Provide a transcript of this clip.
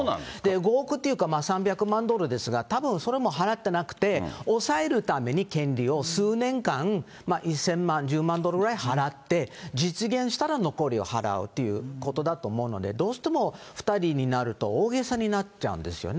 ５億っていうか、３００万ドルですが、たぶんそれも払ってなくて、押さえるために権利を、数年間、１０００万、１０万ドルぐらい払って、実現したら残りを払うってことだと思うので、どうしても２人になると大げさになっちゃうんですよね。